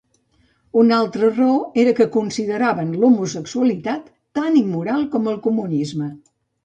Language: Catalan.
Una altra raó era que consideraven l'homosexualitat tan immoral com el comunisme.